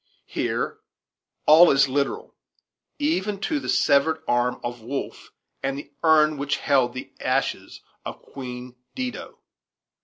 Here all is literal, even to the severed arm of Wolfe, and the urn which held the ashes of Queen Dido.